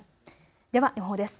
では予報です。